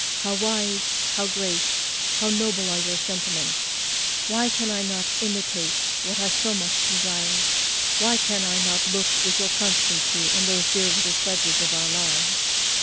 how wise, how great, how noble are your sentiments! why can I not imitate what I so much admire? why can I not look with your constancy on those dear little pledges of our loves?